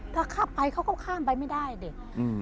ถ้าข้ามไปเขาก็ข้ามไปไม่ได้เด็ก